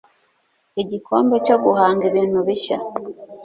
igikombe cyo guhanga ibintu bishya